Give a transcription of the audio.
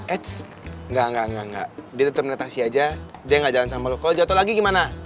eits gak gak gak dia tetep naik taksi aja dia gak jalan sama lo kalo jatuh lagi gimana